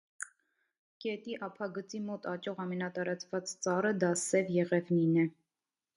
Գետի ափագծի մոտ աճող ամենատարածված ծառը դա սև եղևնին է։